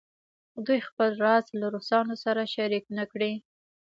دوی خپل راز له روسانو سره شریک نه کړي.